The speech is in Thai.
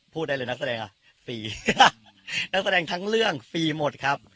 ได้เลยนักแสดงอ่ะฟรีนักแสดงทั้งเรื่องฟรีหมดครับ